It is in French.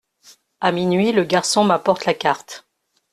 À minuit le garçon m’apporte la carte.